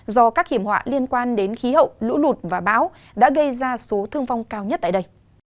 do các hiểm họa liên quan đến khí hậu lũ lụt và bão đã gây ra số thương vong cao nhất tại đây